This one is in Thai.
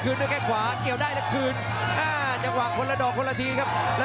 คุณพลน้อยเดินทำยังไงครับ